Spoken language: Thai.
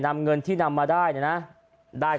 นำเงินที่นำมาได้เนี่ยนะ